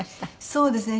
そうですね